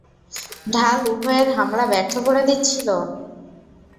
ঢাল উভয়ের হামলা ব্যর্থ করে দিচ্ছিল।